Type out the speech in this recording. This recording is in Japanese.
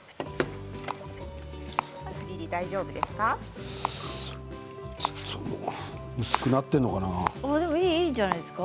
薄切りは大丈夫ですか？